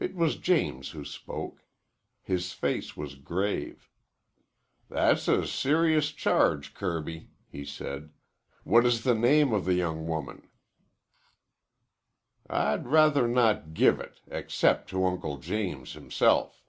It was James who spoke. His face was grave. "That's a serious charge, Kirby," he said. "What is the name of the young woman?" "I'd rather not give it except to Uncle James himself."